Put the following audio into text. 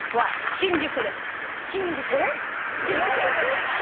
新宿。